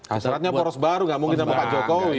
hasratnya poros baru gak mungkin sama pak jokowi